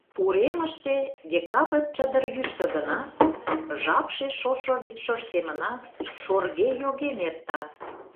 Уремыште декабрь чыдыр йӱштӧ гынат, жапше шошо вӱдшор семынак шорге йоген эрта.